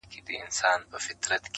یه د زمان د ورکو سمڅو زنداني ه~